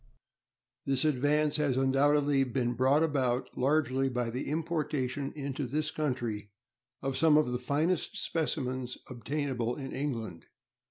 This advance has undoubtedly been brought about largely by the importation into this country of some of the finest specimens obtainable in England.